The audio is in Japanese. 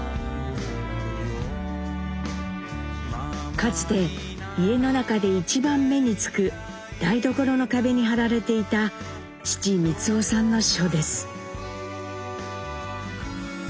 かつて家の中で一番目につく台所の壁に貼られていた父光男さんの書です。